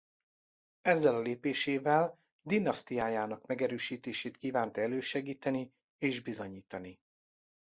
Ezzel a lépésével dinasztiájának megerősítését kívánta elősegíteni és bizonyítani.